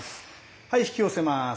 はい引き寄せます！